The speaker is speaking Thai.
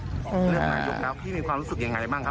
เลือกนายกแล้วพี่มีความรู้สึกยังไงบ้างครับ